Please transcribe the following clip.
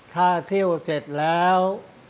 ถ้าเที่ยวเสร็จแล้ว